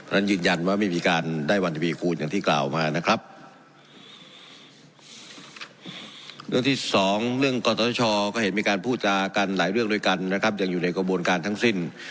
เรื่องที่สองเรื่องก็เห็นมีการพูดจากกันหลายเรื่องโดยกันนะครับยังอยู่ในกระบวนการทั้งสิ้น